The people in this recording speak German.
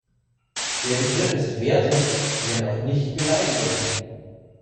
Der Begriff ist wertend, wenn auch nicht beleidigend.